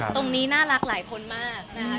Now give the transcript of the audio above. ตรงนี้น่ารักหลายคนมากนะคะ